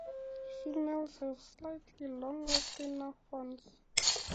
Females have slightly longer, thinner horns.